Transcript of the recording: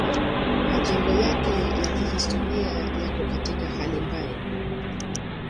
Majengo yake ya kihistoria yako katika hali mbaya.